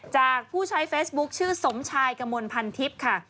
ผู้ใช้เฟซบุ๊คชื่อสมชายกระมวลพันทิพย์ค่ะ